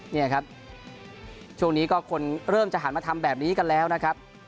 นี่ครับช่วงนี้ก็คนเริ่มจะหันมาทำแบบนี้กันแล้วนะครับ